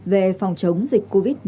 về phòng chống dịch covid một mươi chín